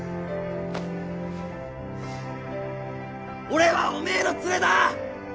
俺はおめえのツレだ！